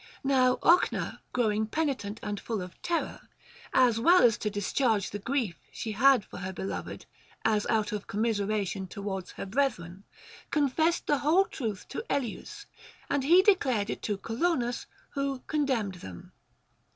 Now Ochna growing penitent and full of terror, as well to discharge the grief she had for her beloved as out of commiseration towards her brethren, confesses the whole truth to Elieus. and he declares it to Colonus, who condemned them.